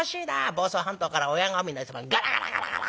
房総半島から親雷様がガラガラガラガラ。